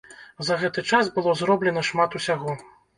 За гэты час было зроблена шмат усяго.